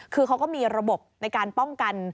คือเขาก็มีระบบในการป้องกัน